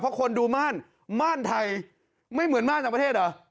เพราะคนดูม่านม่านไทยไม่เหมือนม่านต่างประเทศเหรอ